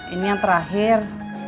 ini yang terakhir